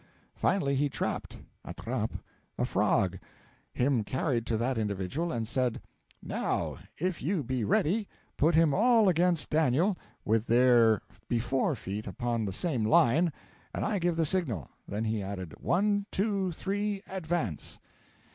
Finally he trapped (attrape) a frog, him carried to that individual, and said: 'Now if you be ready, put him all against Daniel, with their before feet upon the same line, and I give the signal' then he added: 'One, two three advance!'